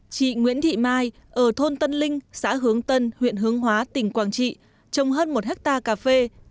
chị nguyễn thị mai ở thôn tân linh xã hướng tân huyện hướng hóa tỉnh quảng trị trồng hơn một hectare cà phê